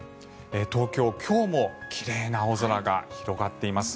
東京、今日も奇麗な青空が広がっています。